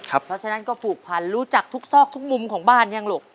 เพราะฉะนั้นก็ผูกพันรู้จักทุกซอกทุกมุมของบ้านยังลูก